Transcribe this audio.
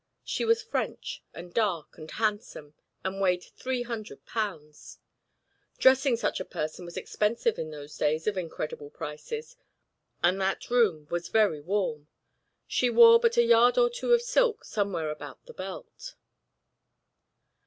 She was French, and dark, and handsome, and weighed three hundred pounds. Dressing such a person was expensive in those days of incredible prices, and that room was very warm; she wore but a yard or two of silk somewhere about the belt.